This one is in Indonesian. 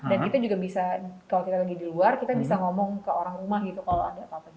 dan kita juga bisa kalau kita lagi di luar kita bisa ngomong ke orang rumah gitu kalau ada apa apa